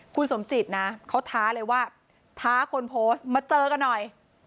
คุณสมจิตนะเขาท้าเลยว่าท้าคนโพสต์มาเจอกันหน่อย